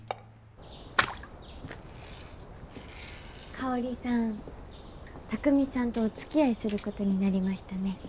香さん卓海さんとお付き合いすることになりましたね。